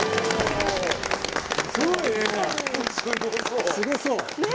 すごそう。